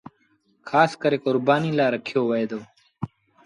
کآس ڪري ڪربآݩيٚ لآ رکيو وهي دو۔